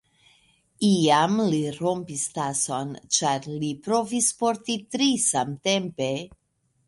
Iam li rompis tason, ĉar li provis porti tri samtempe.